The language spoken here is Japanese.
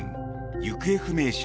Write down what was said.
行方不明者